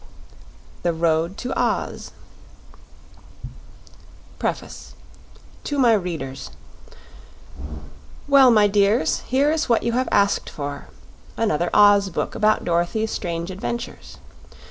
The Birthday Celebration To My Readers Well, my dears, here is what you have asked for: another "Oz Book" about Dorothy's strange adventures.